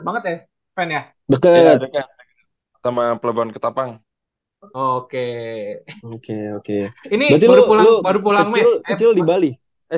banget ya penuh deket sama pelembung ketapang oke oke oke ini baru pulang kecil di bali eh